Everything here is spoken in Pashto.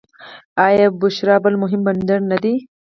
آیا بوشهر بل مهم بندر نه دی؟